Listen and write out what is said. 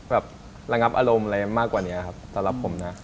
ระงับอารมณ์อะไรมากกว่านี้ครับสำหรับผมนะ